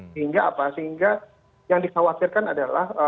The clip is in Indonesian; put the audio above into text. sehingga apa sehingga yang dikhawatirkan adalah